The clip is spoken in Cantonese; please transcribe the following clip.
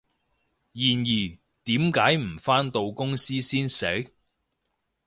然而，點解唔返到公司先食？